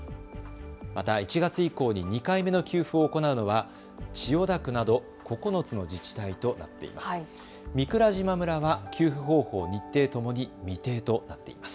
また１月以降に２回目の給付を行うのは千代田区など９つの自治体となっています。